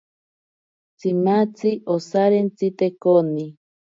Tsimatzi osarentsite koni.